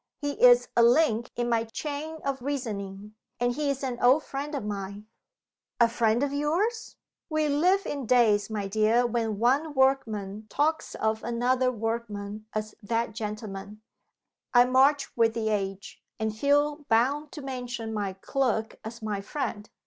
He is a link in my chain of reasoning; and he is an old friend of mine." "A friend of yours?" "We live in days, my dear, when one workman talks of another workman as 'that gentleman.' I march with the age, and feel bound to mention my clerk as my friend.